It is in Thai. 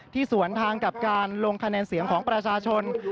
สวนทางกับการลงคะแนนเสียงของประชาชน